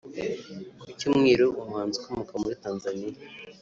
Ku Cyumweru umuhanzi ukomoka muri Tanzania